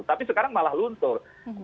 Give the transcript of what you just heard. tapi sekarang malah luntur